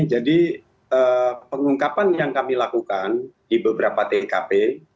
jadi pengungkapan yang kami lakukan di beberapa tkp